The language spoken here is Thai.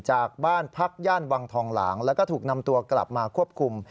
จากบ้านพักย่านวังทองหลางแล้วก็ถูกนำตัวกลับมาควบคุม